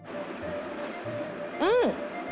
うん。